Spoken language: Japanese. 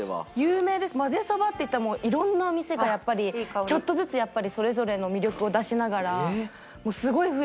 まぜそばっていったらもう色んな店がやっぱりちょっとずつそれぞれの魅力を出しながらもうすごい増えてるんですよ。